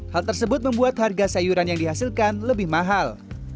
hal tersebut membuat harga sayuran yang dihasilkan lebih mahal